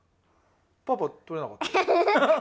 パパ取れなかったよ。